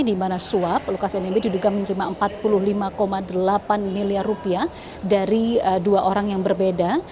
di mana suap lukas nmb diduga menerima rp empat puluh lima delapan miliar rupiah dari dua orang yang berbeda